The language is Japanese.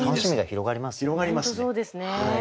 広がりますね。